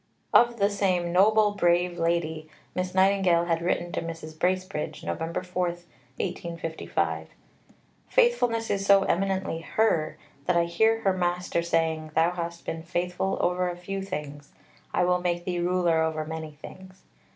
Of the same "noble, brave" lady, Miss Nightingale had written to Mrs. Bracebridge (Nov. 4, 1855): "Faithfulness is so eminently her, that I hear her Master saying, Thou hast been faithful over a few things, I will make thee ruler over many things."